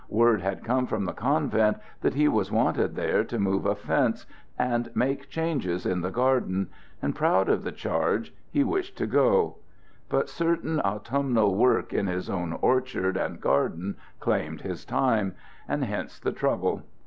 Word had come from the convent that he was wanted there to move a fence and make changes in the garden, and, proud of the charge, he wished to go; but certain autumnal work in his own orchard and garden claimed his time, and hence the trouble.